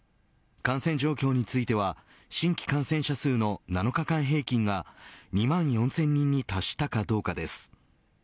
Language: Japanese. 感染状況については新規感染者数の７日間平均が２万４０００人に達したかどうかです。